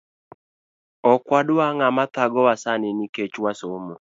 Okwadwa ngama thagowa sani Nikech wasomo